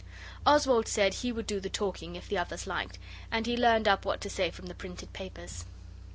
Oswald said he would do the talking if the others liked, and he learned up what to say from the printed papers.